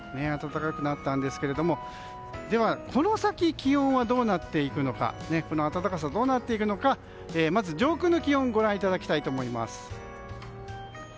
暖かくなったんですけどこの先気温はどうなっていくのかこの暖かさ、どうなっていくのかまず上空の気温をご覧いただきたいと思います。